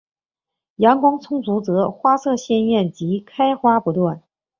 阳光充足则花色鲜艳及开花不断。